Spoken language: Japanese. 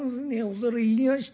恐れ入りまして。